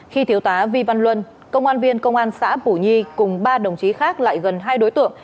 khi thiếu tá vi văn luân công an viên công an xã bù nhi cùng ba đồng chí khác lại gần hai đối tượng